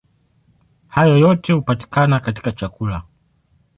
Hayo yote hupatikana katika chakula.